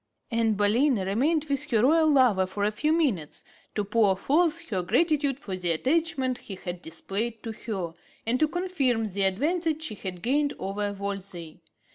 Anne Boleyn remained with her royal lover for a few minutes to pour forth her gratitude for the attachment he had displayed to her, and to confirm the advantage she had gained over Wolsey.